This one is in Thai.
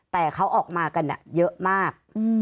แต่เขาออกมากันเยอะมาก